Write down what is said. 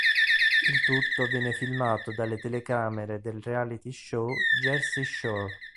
Il tutto viene filmato dalle telecamere del reality show "Jersey Shore".